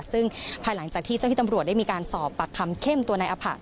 ซึ่งภายหลังจากที่เจ้าที่ตำรวจได้มีการสอบปากคำเข้มตัวนายอภะ